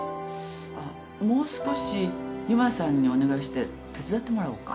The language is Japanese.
あっもう少し由真さんにお願いして手伝ってもらおうか？